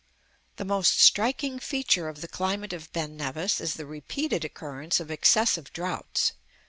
The most striking feature of the climate of Ben Nevis is the repeated occurrence of excessive droughts.